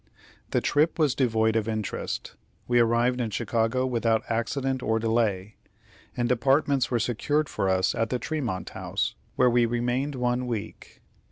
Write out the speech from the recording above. The trip was devoid of interest. We arrived in Chicago without accident or delay, and apartments were secured for us at the Tremont House, where we remained one week.